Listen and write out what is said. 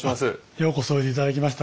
ようこそおいで頂きました